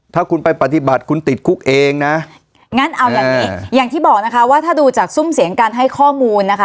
ถ้าคุณไปปฏิบัติคุณติดคุกเองนะงั้นเอาอย่างนี้อย่างที่บอกนะคะว่าถ้าดูจากซุ่มเสียงการให้ข้อมูลนะคะ